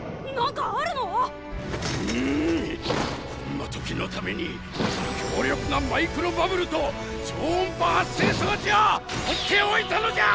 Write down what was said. こんな時のために強力なマイクロバブルと超音波発生装置を取って置いたのじゃ！